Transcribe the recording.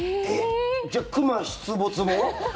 じゃあ、「熊出没」も？